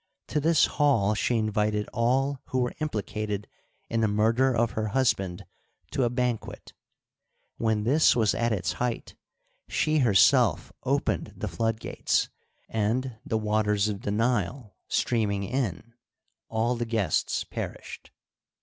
To this hall she invited all who were implicated in the murder of her husband to a banquet. When this was at its height she herself opened the flood gates, and, the waters of the Nile streaming in, all the guests perished.